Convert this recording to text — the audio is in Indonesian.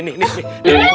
pasok beruang lagi